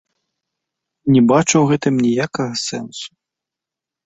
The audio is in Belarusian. Не бачу ў гэтым ніякага сэнсу.